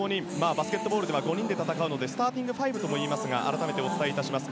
バスケットボールは５人で戦うのでスターティングファイブともいいますが改めてお伝えします。